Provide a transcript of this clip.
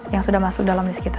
yang sudah masuk dalam list kita